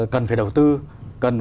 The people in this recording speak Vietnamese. cần phải đầu tư cần